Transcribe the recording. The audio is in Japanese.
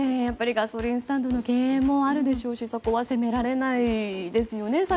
ガソリンスタンドの経営もあるでしょうしそこは責められないですよね。